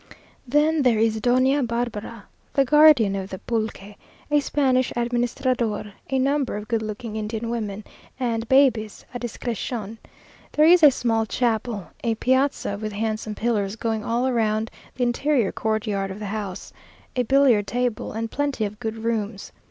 Then there is Doña Barbara (the guardian of the pulque), a Spanish administrador, a number of good looking Indian women, and babies à discrétion. There is a small chapel, a piazza, with handsome pillars going all round the interior courtyard of the house, a billiard table, and plenty of good rooms.